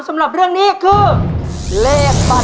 ตัวเลือดที่๓ม้าลายกับนกแก้วมาคอ